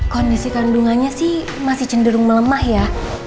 kondisi kandungannya sih masih cenderung melemah ya